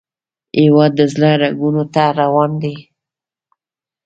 هیواد د زړه رګونو ته روان دی